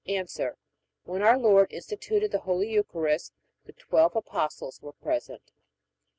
A. When our Lord instituted the Holy Eucharist the twelve Apostles were present.